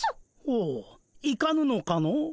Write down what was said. ほういかぬのかの？